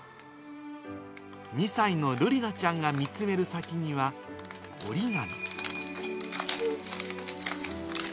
２歳のるりなちゃんが見つめる先には、折り紙。